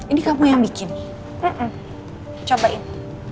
ini kamu yang bikin